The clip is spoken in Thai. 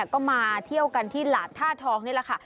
ก็มาเที่ยวกันที่หลาดท่าทองนี่แหละค่ะ